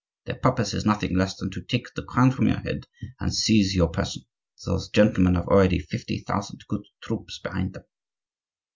Their purpose is nothing less than to take the crown from your head and seize your person. Those gentlemen have already fifty thousand good troops behind them."